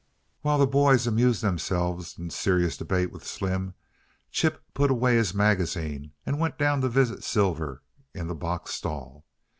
While the boys amused themselves in serious debate with Slim, Chip put away his magazine and went down to visit Silver in the box stall.